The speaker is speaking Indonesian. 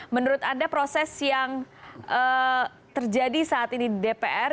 menurut anda proses yang terjadi saat ini di dpr